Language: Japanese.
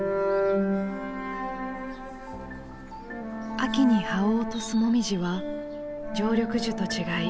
秋に葉を落とすもみじは常緑樹と違い